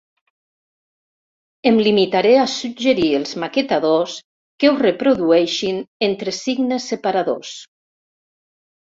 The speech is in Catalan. Em limitaré a suggerir els maquetadors que ho reprodueixin entre signes separadors.